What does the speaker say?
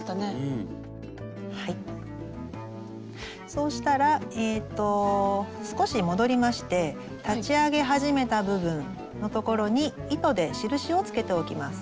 そうしたら少し戻りまして立ち上げ始めた部分のところに糸で印をつけておきます。